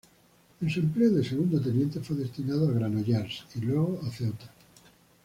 En su empleo de segundo teniente, fue destinado a Granollers y luego a Ceuta.